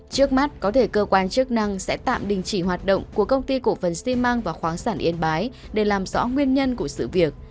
trước mắt có thể cơ quan chức năng sẽ tạm đình chỉ hoạt động của công ty cổ phần xi măng và khoáng sản yên bái để làm rõ nguyên nhân của sự việc